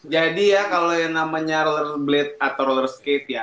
jadi ya kalau yang namanya rollerblade atau roller skate ya